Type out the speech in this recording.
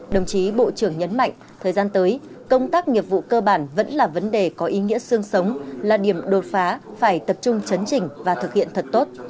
đồng chí bộ trưởng nhấn mạnh thời gian tới công tác nghiệp vụ cơ bản vẫn là vấn đề có ý nghĩa sương sống là điểm đột phá phải tập trung chấn chỉnh và thực hiện thật tốt